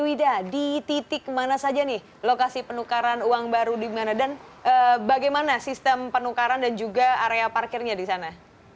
wida di titik mana saja nih lokasi penukaran uang baru di mana dan bagaimana sistem penukaran dan juga area parkirnya di sana